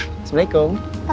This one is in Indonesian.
ya sampai jumpa